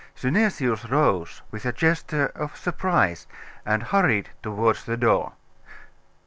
Synesius rose, with a gesture of surprise, and hurried towards the door.